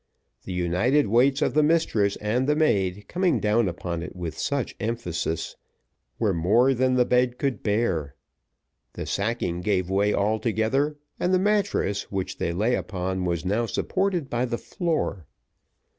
The united weights of the mistress and the maid coming down upon it with such emphasis, was more than the bed could bear the sacking gave way altogether, and the mattress which they lay upon was now supported by the floor.